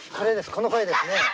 この声ですね。